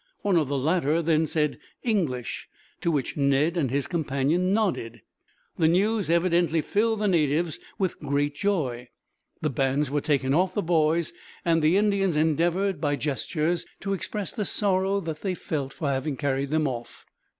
One of the latter then said "English," to which Ned and his companion nodded. The news evidently filled the natives with great joy. The bands were taken off the boys, and the Indians endeavored, by gestures, to express the sorrow that they felt for having carried them off.